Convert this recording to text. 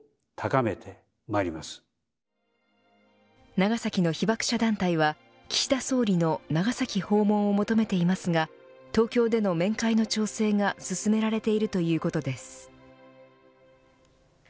長崎の被爆者団体は岸田総理の長崎訪問を求めていますが東京での面会の調整が進められているということです。